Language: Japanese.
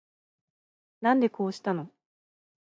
なんでこうしたの